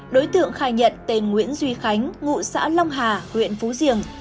đối tượng khai nhận tên nguyễn duy khánh ngụ xã long hà huyện phú diềng